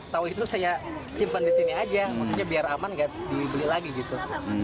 tahu itu saya simpan di sini aja maksudnya biar aman gak dibeli lagi gitu